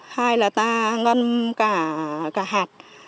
hai là ta ngâm cả hạt